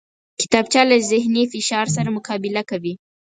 کتابچه له ذهني فشار سره مقابله کوي